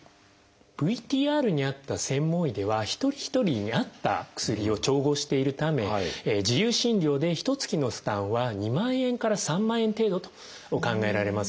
ＶＴＲにあった専門医では一人一人に合った薬を調合しているため自由診療でひとつきの負担は２万円から３万円程度と考えられます。